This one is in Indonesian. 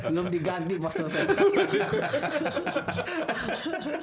belum diganti pak sotek